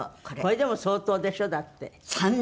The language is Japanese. これでも相当でしょ？だって。